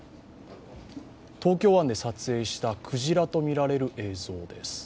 東京湾で撮影した鯨とみられる映像です。